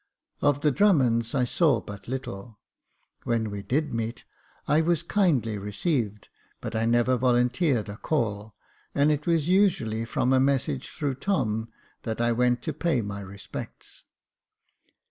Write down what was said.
Of the Drummonds I saw but little ; when we did meet, I was kindly received, but I never volunteered a call, and it was usually from a message through Tom, that I went to pay my respects.